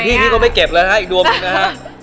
พี่พี่ก็ไม่เก็บแล้วนะฮะอีกดวงหนึ่งนะฮะ